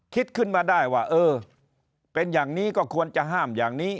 คิดขึ้นมาได้ว่าเออเป็นอย่างนี้ก็ควรจะห้ามอย่างนี้